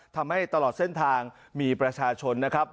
ทำให้ตลอดเส้นทางมีประชาชนนะครับ